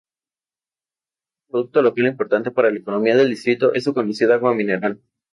Otro producto local importante para la economía del distrito es su conocida agua mineral.